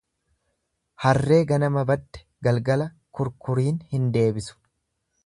Harree ganama badde galgala kurkuriin hin deebisu.